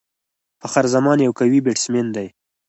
فخر زمان یو قوي بيټسمېن دئ.